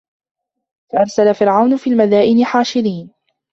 فَأَرسَلَ فِرعَونُ فِي المَدائِنِ حاشِرينَ